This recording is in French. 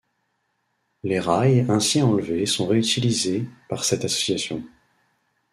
Les rails ainsi enlevés sont réutilisés par cette association.